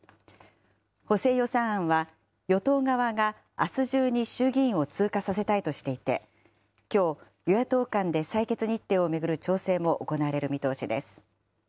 補正予算案は、与党側があす中に衆議院を通過させたいとしていて、きょう、与野党間で採決日程を巡る調整も行われる見通しです。